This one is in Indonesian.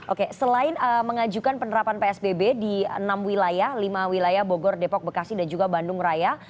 oke selain mengajukan penerapan psbb di enam wilayah lima wilayah bogor depok bekasi dan juga bandung raya